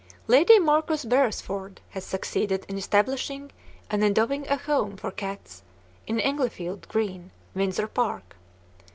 Lady Marcus Beresford has succeeded in establishing and endowing a home for cats in Englefield Green, Windsor Park.